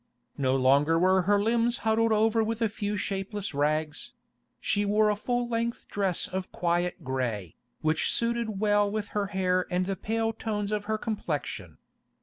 No longer were her limbs huddled over with a few shapeless rags; she wore a full length dress of quiet grey, which suited well with her hair and the pale tones of her complexion.